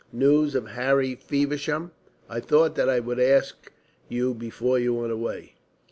"News of Harry Feversham? I thought that I would ask you before you went away."